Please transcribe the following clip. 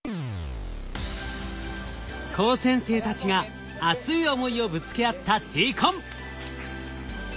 高専生たちが熱い思いをぶつけ合ったＤＣＯＮ。